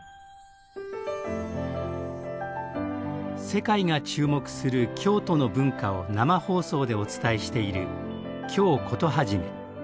世界が注目する京都の文化を生放送でお伝えしている「京コトはじめ」。